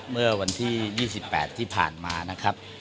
เมื่อวันที่๒๘ที่ผ่านมานะครับ